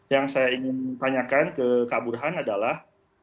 yang saya ingin tanyakan ke kak burhan adalah